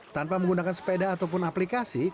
tanpa menggunakan sepeda ataupun aplikasi